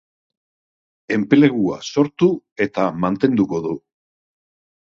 Enplegua sortu eta mantenduko du.